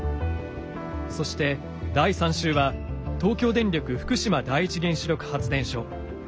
そして第３週は東京電力福島第一原子力発電所。